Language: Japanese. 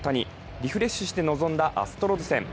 リフレッシュして臨んだアストロズ戦。